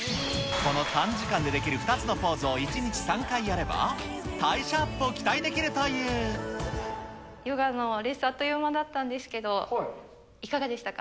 この短時間でできる２つのポーズを１日３回やれば、ヨガのレッスンあっという間だったんですけど、いかがでしたか？